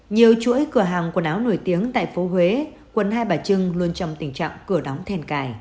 nhiều chuỗi cửa hàng quần áo nổi tiếng tại phố huế